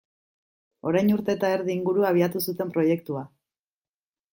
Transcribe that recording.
Orain urte eta erdi inguru abiatu zuten proiektua.